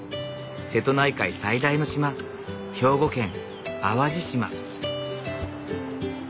瀬戸内海最大の島兵庫県淡路島。